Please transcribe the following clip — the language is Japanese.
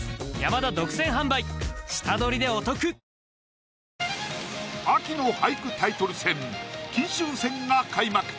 他のもよろしく秋の俳句タイトル戦金秋戦が開幕。